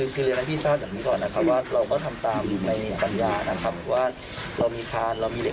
แต่ที่เราเจอหน้างานเนี่ยเราไม่ได้อย่างที่มาตรฐานเขาพูดไว้